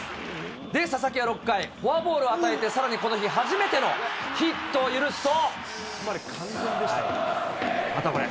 で、佐々木は６回、フォアボールを与えて、さらにこの日初めてのヒットを許すと。